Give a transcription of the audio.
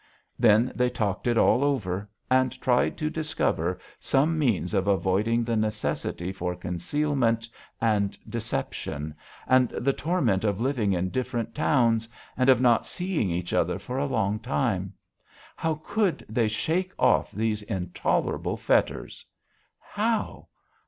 Then they talked it all over, and tried to discover some means of avoiding the necessity for concealment and deception, and the torment of living in different towns, and of not seeing each other for a long time. How could they shake off these intolerable fetters? "How?